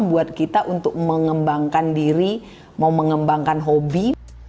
buat kita untuk mengembangkan diri mau mengembangkan hobi